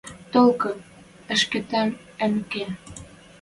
– Толькы ӹшкетем ам ке.